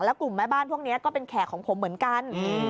กลุ่มแม่บ้านพวกนี้ก็เป็นแขกของผมเหมือนกัน